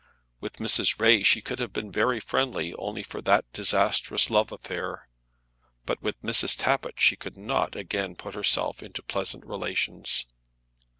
With Mrs. Ray she could have been very friendly, only for that disastrous love affair; but with Mrs. Tappitt she could not again put herself into pleasant relations.